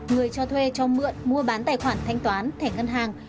người cho thuê cho mượn mua bán tài khoản thanh toán thẻ ngân hàng